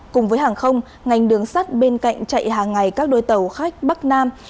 cùng với hàng không ngành đường sắt bên cạnh chạy hàng ngày các đôi tàu khách bắc nam